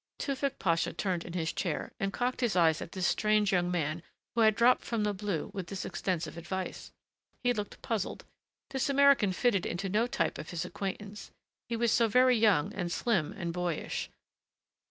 Tewfick Pasha turned in his chair and cocked his eyes at this strange young man who had dropped from the blue with this extensive advice. He looked puzzled. This American fitted into no type of his acquaintance. He was so very young and slim and boyish